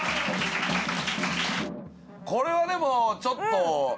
これはでもちょっと。